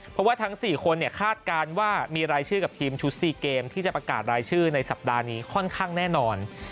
เพราะว่าทั้ง๔คนคาดการณ์ว่ามีรายชื่อกับทีมชุด๔เกมที่จะประกาศรายชื่อในสัปดาห์นี้ค่อนข้างแน่นอน